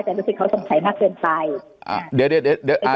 แต่รู้สึกเขาสงสัยมากเกินไปอ่าเดี๋ยวเดี๋ยวอ่า